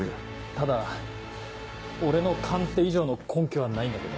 ただ俺の勘って以上の根拠はないんだけど。